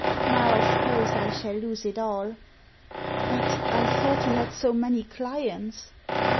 Now, I suppose, I shall lose it all" " But I thought he had so many clients